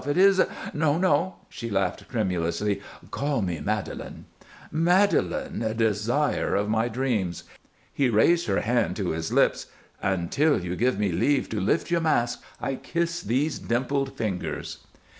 It is " "No, no!" she laughed, tremulously. "Call me Madelon." "Madelon, Desire of my Dreams." He raised her hand to his lips. "Until you give me leave to lift your mask I kiss these dimpled fingers."